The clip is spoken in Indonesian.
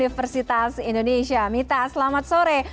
mita handayan selamat sore